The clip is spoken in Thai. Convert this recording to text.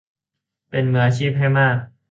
เป็นมืออาชีพให้มาก